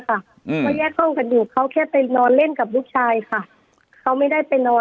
เขาแยกห้องกันอยู่เขาแค่ไปนอนเล่นกับลูกชายค่ะ